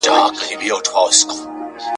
و هغو خلکو ته نږدې سئ چي ستاسي د روح په دننه کي